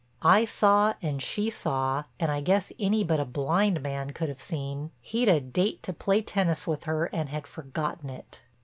I saw, and she saw, and I guess any but a blind man could have seen, he'd a date to play tennis with her and had forgotten it.